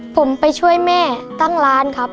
ผมไปช่วยแม่ตั้งร้านครับ